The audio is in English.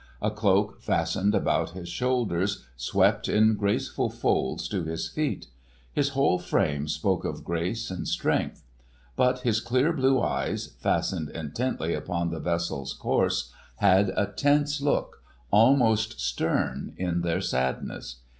A cloak fastened about his shoulders swept in graceful folds to his feet. His whole frame spoke of grace and strength. But his clear blue eyes, fastened intently upon the vessel's course, had a tense look, almost stern in their sadness.